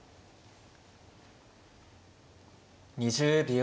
２０秒。